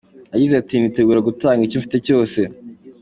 Yagize ati”Nitegura gutanga icyo mfite cyose.